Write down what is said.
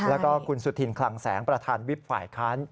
แล้วก็คุณสุธินคลังแสงประธานวิบฝ่ายค้าน